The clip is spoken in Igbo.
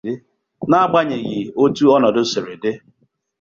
n'agbànyèghị etu ọnọdụ siri dị